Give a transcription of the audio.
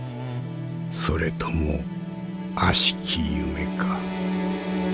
それとも悪しき夢か。